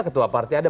ketua partai ada